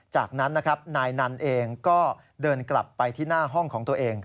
จากนั้นนะครับนายนันเองก็เดินกลับไปที่หน้าห้องของตัวเอง